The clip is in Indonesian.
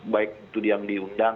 baik itu yang diundang